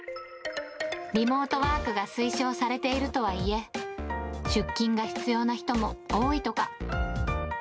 リモートワークが推奨されているとはいえ、出勤が必要な人も多いとか。